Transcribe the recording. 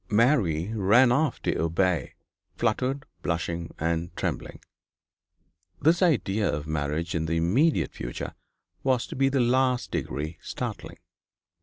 Mary ran off to obey, fluttered, blushing, and trembling. This idea of marriage in the immediate future was to be the last degree startling.